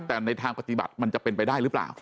แต่ในทางปฏิบัติมันจะเป็นไปได้หรือเปล่า